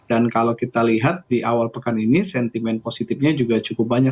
dan kalau kita lihat di awal pekan ini sentimen positifnya juga cukup banyak